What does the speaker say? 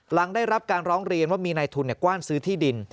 หลังได้รับการร้องเรียนว่ามีนายทุนกว้านซื้อที่ดิน